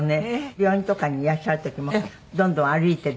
病院とかにいらっしゃる時もどんどん歩いて電車に乗って。